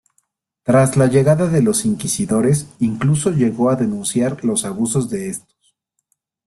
Tras la llegada de los inquisidores, incluso llegó a denunciar los abusos de estos.